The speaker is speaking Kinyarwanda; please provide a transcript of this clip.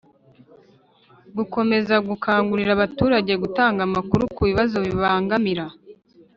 Gukomeza gukangurira abaturage gutanga amakuru ku bibazo bibangamira